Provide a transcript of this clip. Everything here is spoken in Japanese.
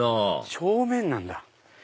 正面なんだ。